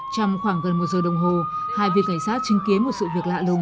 trong khoảng gần một giờ đồng hồ hai viên cảnh sát chứng kiến một sự việc lạ lùng